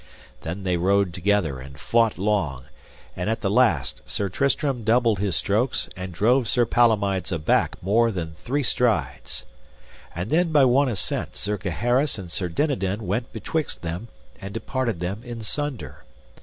Then they rode together and fought long, and at the last Sir Tristram doubled his strokes, and drove Sir Palomides aback more than three strides. And then by one assent Sir Gaheris and Sir Dinadan went betwixt them, and departed them in sunder.